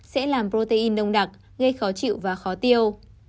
sữa và protein trong sữa sẽ làm protein đông đặc gây khó chịu và khó tiêu